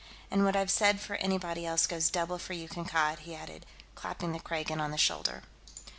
"And what I've said for anybody else goes double for you, Kankad," he added, clapping the Kragan on the shoulder.